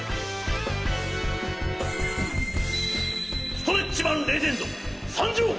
ストレッチマン・レジェンドさんじょう！